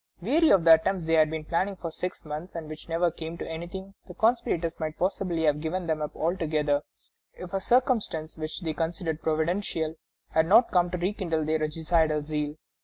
Weary of the attempts they had been planning for six months, and which never came to anything, the conspirators might possibly have given them up altogether if a circumstance which they considered providential had not come to rekindle their regicidal zeal.